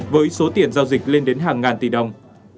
với số tiền giao dịch lên đến hàng ngàn tỷ đồng